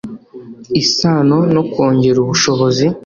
isano no kongera ubushobozi